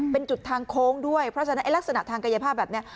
เป็นจุดทางโค้งด้วยเพราะฉะนั้นลักษณะทางกายภาพแบบนี้